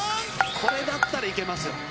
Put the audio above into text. これだったらいけますよ。